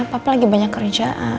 papa lagi banyak kerjaan